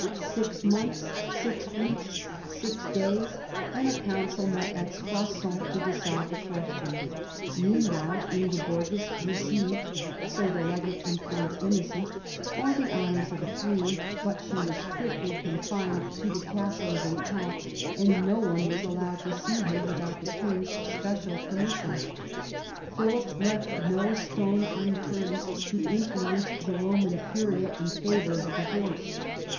Six months, six weeks, six days, and a council met at Soissons to decide the question. Meanwhile Inge borgis received, so the legate informed Innocent, all the honours of a queen, but she was strictly confined to the castle of fitampes, and no one was allowed to see her without the king's special permission. Philip left no stone unturned to influence the Eoman Curia in favour of a divorce.